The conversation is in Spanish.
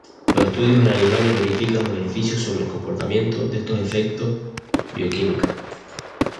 Los estudios en animales verifican los beneficios sobre el comportamiento de estos efectos bioquímicos.